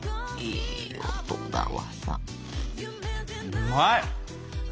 うまい！